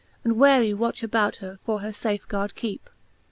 And wary watch about her for her fafegard keepe.